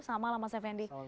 selamat malam mas effendi